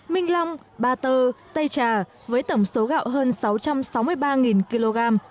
minh long ba tơ tây trà với tổng số gạo hơn sáu trăm sáu mươi ba kg